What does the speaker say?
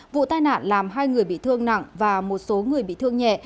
vụ tai nạn làm hai người bị thương nặng và một số người bị thương nhẹ